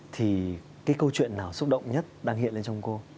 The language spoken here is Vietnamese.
thì cái câu chuyện nào xúc động nhất đang hiện lên trong cô